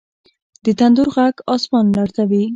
د تندر ږغ اسمان لړزوي.